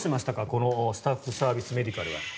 このスタッフサービス・メディカルは。